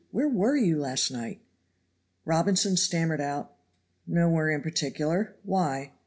"Where were you last night?" Robinson stammered out, "Nowhere in particular. Why?"